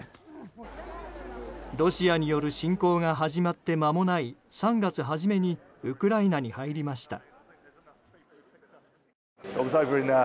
ロシアによる侵攻が始まって間もない３月初めにウクライナに入りました。